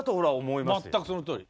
全くそのとおり。